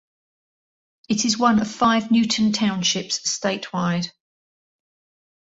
It is one of five Newton Townships statewide.